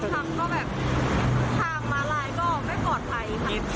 บางครั้งก็แบบทางมาลัยก็ไม่ปลอดภัยครับ